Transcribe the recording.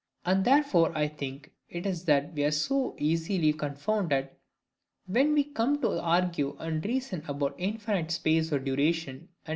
And therefore I think it is that we are so easily confounded, when we come to argue and reason about infinite space or duration, &c.